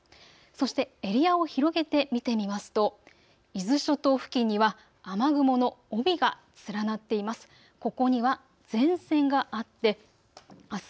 そしてエリアを広げて見てみますと伊豆諸島付近には雨雲の帯が連なっています。